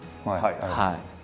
ありがとうございます。